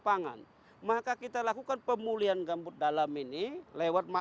pangan maka kita lakukan pemulihan gambut dalam ini lewat